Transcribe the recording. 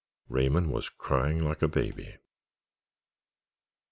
Raymond was crying like a baby.